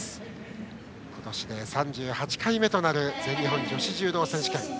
今年で３８回目となる全日本女子柔道選手権。